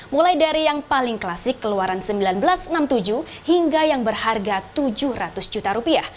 mulai dari yang paling klasik keluaran seribu sembilan ratus enam puluh tujuh hingga yang berharga rp tujuh ratus juta rupiah